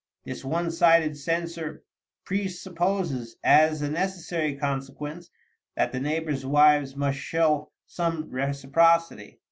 " This one sided censure presupposes, as a necessary consequence, that the neighbors' wives must show some reciprocity.